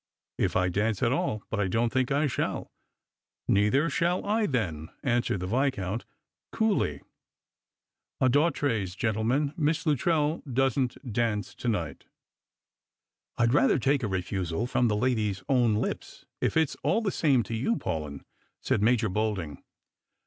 " If I dance at all; but I don't think I shall.'' " Neither shall I then," answered the Viscount, coollj. •* A d'autres, gentlemen. Miss Luttrell doesn't dance to night." " I'd rather take a refusal from the lady's own lips, if it's all the same to you, Paulyn," said Major Bolding.